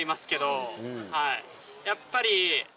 やっぱり。